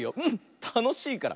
たのしいから。